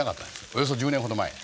およそ１０年ほど前。